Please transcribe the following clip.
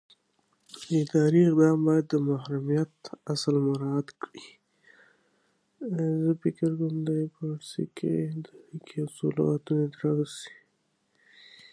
اداري اقدام باید د محرمیت اصل مراعات کړي.